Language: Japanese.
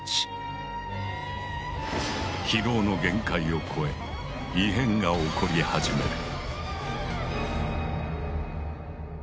疲労の限界を超え異変が起こリ始める。